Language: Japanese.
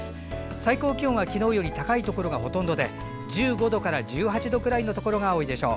最高気温は昨日より高いところがほとんどで１５度から１８度くらいのところが多いでしょう。